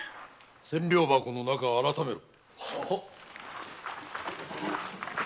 千両箱の中を改めろ。